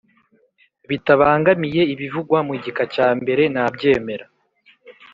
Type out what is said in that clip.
Bitabangamiye ibivugwa mu gika cya mbere nabyemera